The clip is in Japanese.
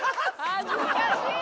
恥ずかしい！